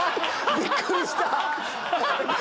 びっくりした。